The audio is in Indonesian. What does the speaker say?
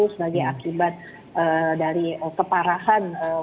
sebagai akibat dari keparahan